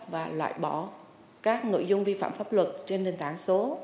và loại bỏ các nội dung vi phạm pháp luật trên hệ thống